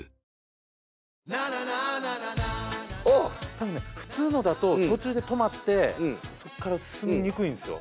たぶんね普通のだと途中で止まってそこから進みにくいんすよ